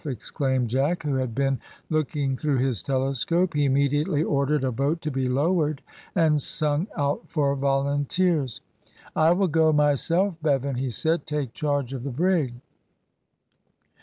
exclaimed Jack, who had been looking through his telescope. He immediately ordered a boat to be lowered, and sung out for volunteers. "I will go myself, Bevan," he said. "Take charge of the brig."